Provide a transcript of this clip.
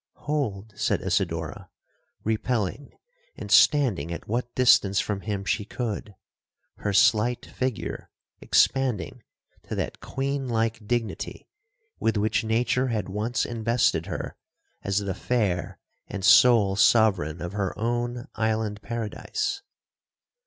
'—'Hold!' said Isidora, repelling, and standing at what distance from him she could,—her slight figure expanding to that queen like dignity with which nature had once invested her as the fair and sole sovereign of her own island paradise.